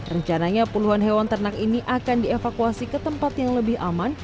rencananya puluhan hewan ternak ini akan dievakuasi ke tempat yang lebih aman